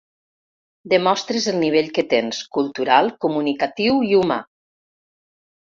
Demostres el nivell que tens, cultural, comunicatiu i humà.